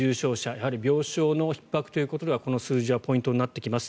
やはり病床のひっ迫ということではこの数字はポイントになってきます。